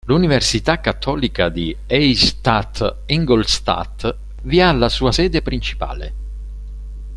L'Università Cattolica di Eichstätt-Ingolstadt vi ha la sua sede principale.